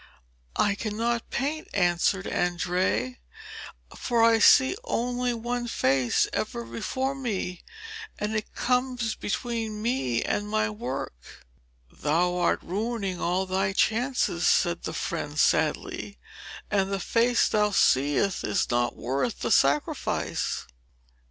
'I cannot paint,' answered Andrea, 'for I see only one face ever before me, and it comes between me and my work.' 'Thou art ruining all thy chances,' said the friend sadly, 'and the face thou seest is not worth the sacrifice.'